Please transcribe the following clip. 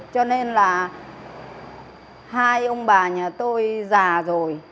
cho nên là hai ông bà nhà tôi già rồi